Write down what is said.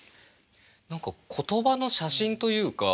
何か言葉の写真というか